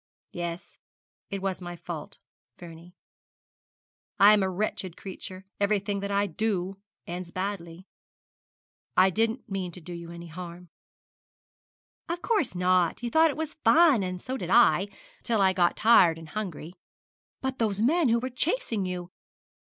'Yes, it was my fault, Vernie. I am a wretched creature. Everything that I do ends badly. I didn't mean to do you any harm.' 'Of course not. You thought it was fun, and so did I, till I got tired and hungry. But those men who were chasing you!